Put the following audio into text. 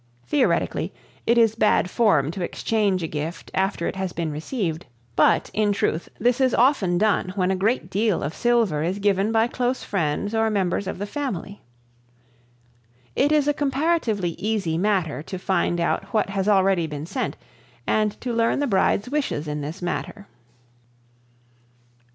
Theoretically, it is bad form to exchange a gift after it has been received, but, in truth, this is often done when a great deal of silver is given by close friends or members of the family it is a comparatively easy matter to find out what has already been sent and to learn the bride's wishes in this matter.